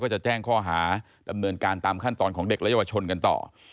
จะแจ้งข้อหาดำเนินการตามขั้นตอนของเด็กและเยาวชนกันต่อ